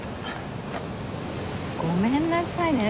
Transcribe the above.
ごめんなさいね。